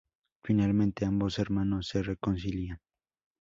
Finalmente ambos hermanos se reconcilian.